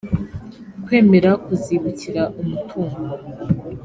kwemera kuzibukira umutungo